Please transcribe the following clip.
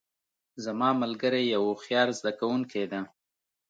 زما ملګری یو هوښیار زده کوونکی ده